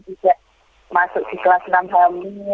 tidak masuk ke kelas enam hamil